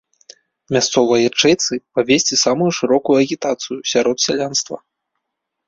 Мясцовай ячэйцы павесці самую шырокую агітацыю сярод сялянства.